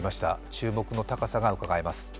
注目の高さがうかがえます。